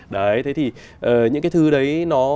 đấy thế thì những cái thứ đấy